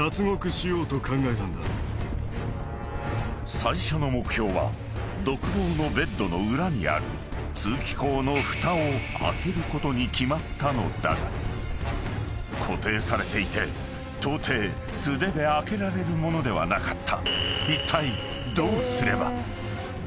［最初の目標は独房のベッドの裏にある通気口のふたを開けることに決まったのだが固定されていてとうてい素手で開けられるものではなかった］